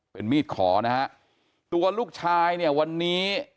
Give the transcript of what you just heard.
เป็นมีดขอนะฮะตัวลูกชายเนี่ยวันนี้